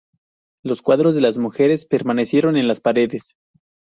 Los cuadros de las mujeres permanecieron en las paredes.